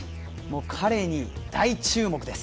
彼に大注目です。